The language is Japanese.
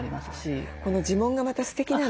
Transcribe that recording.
この地紋がまたすてきなの。